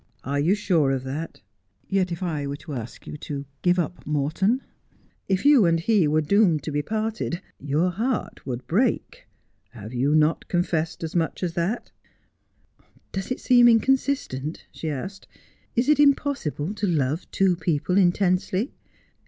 ' Are you sure of that 1 Yet if I were to ask you to give up Morton — if you and he were doomed to be parted — your heart would break. Have you not confessed as much as that 1 '' Does it seem inconsistent ?' she asked. ' Is it impossible to love two people intensely